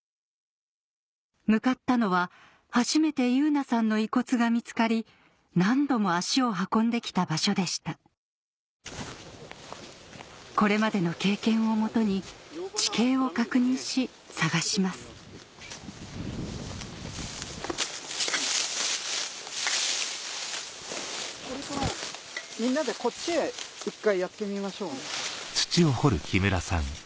向かったのは初めて汐凪さんの遺骨が見つかり何度も足を運んできた場所でしたこれまでの経験をもとに地形を確認し捜しますみんなでこっちへ１回やってみましょう。